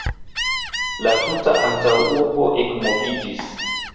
La tuta antaŭurbo ekmoviĝis.